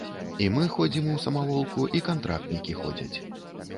І мы ходзім у самаволку, і кантрактнікі ходзяць.